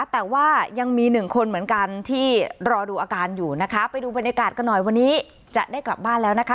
แต่ว่ายังมีหนึ่งคนเหมือนกันที่รอดูอาการอยู่นะคะไปดูบรรยากาศกันหน่อยวันนี้จะได้กลับบ้านแล้วนะคะ